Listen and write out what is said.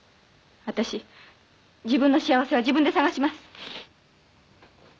「私自分の幸せは自分で探します」